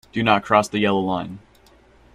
Do not cross the yellow line.